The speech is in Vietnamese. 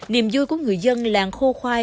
niềm vui của người dân làng khô khoai